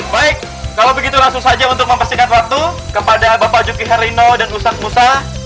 baik kalau begitu langsung saja untuk membersihkan waktu kepada bapak juki herlino dan ustadz musa